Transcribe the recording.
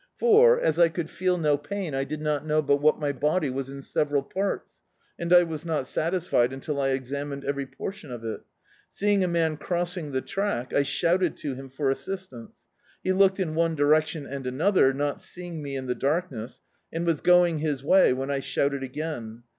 For, as I could feel no pain, I did not know but what my body was in several parts, and I was not satisfied until I examined every portion of it. Seeing a man crossing the track, I shouted to him for assistance. He looked in one direction and another, not seeing me in the darkness, and was going his way when I shouted again.